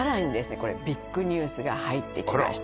これビッグニュースが入ってきました